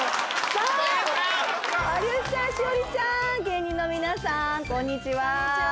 さぁ有吉さん栞里ちゃん芸人の皆さんこんにちは。